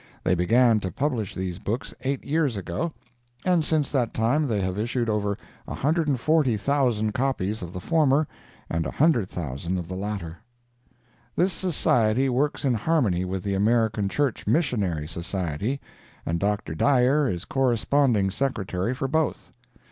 They began to publish these books eight years ago, and since that time they have issued over 140,000 copies of the former and 100,000 of the latter. This Society works in harmony with the American Church Missionary Society, and Dr. Dyer is Corresponding Secretary for both.